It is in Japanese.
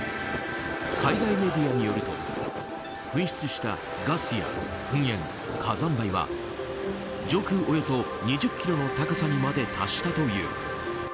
海外メディアによると噴出したガスや噴煙、火山灰は上空およそ２０ｋｍの高さにまで達したという。